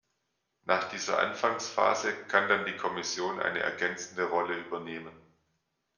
Nach dieser Anfangsphase kann dann die Kommission eine ergänzende Rolle übernehmen.